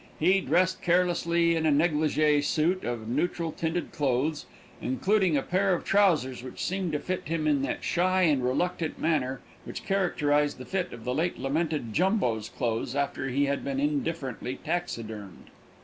He dressed carelessly in a négligé suit of neutral tinted clothes, including a pair of trousers which seemed to fit him in that shy and reluctant manner which characterized the fit of the late lamented Jumbo's clothes after he had been indifferently taxidermed.